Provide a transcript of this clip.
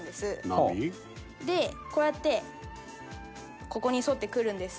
波？でこうやってここに沿ってくるんです。